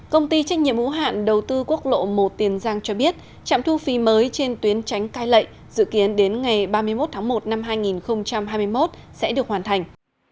công ty trách nhiệm hữu hạn đầu tư quốc lộ một tiền giang cho biết trạm thu phí mới trên tuyến tránh cai lệ dự kiến đến ngày ba mươi một tháng một năm hai nghìn hai mươi một sẽ được hoàn thành